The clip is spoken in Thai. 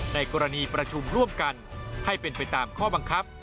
ในกรณีประชุมร่วมกันให้เป็นไปตามข้อบังคับ